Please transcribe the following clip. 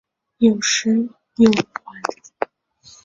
有时有蕈环。